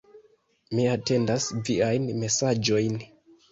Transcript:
Mi atendas viajn mesaĝojn.